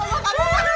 putih sama makamu